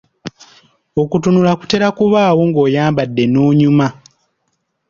Okutunula kutera okubaawo ng'oyambadde n'onyuma.